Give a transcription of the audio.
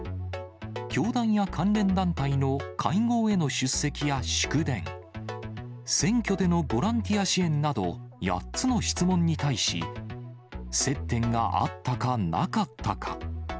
教団や関連団体の会合への出席や祝電、選挙でのボランティア支援など、８つの質問に対し、接点があったかなかったか。